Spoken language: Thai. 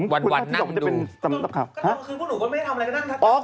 ก็คือพวกหนูก็ไม่ได้ทำอะไรกัน